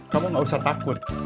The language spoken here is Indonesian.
kamu gak usah takut